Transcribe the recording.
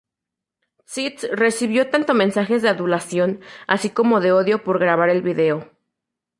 Sites recibió tanto mensajes de adulación así como de odio por grabar el video.